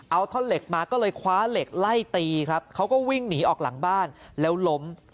เอาท่อนเหล็กมาก็เลยคว้าเหล็กไล่ตีครับเขาก็วิ่งหนีออกหลังบ้านแล้วล้ม